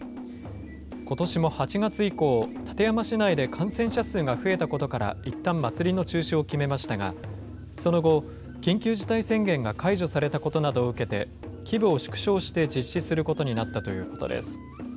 ことしも８月以降、館山市内で感染者数が増えたことから、いったん祭りの中止を決めましたが、その後、緊急事態宣言が解除されたことなどを受けて、規模を縮小して実施することになったということです。